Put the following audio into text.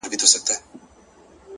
لوړ همت د محدودو شرایطو بندیوان نه وي،